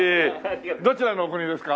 どちらのお国ですか？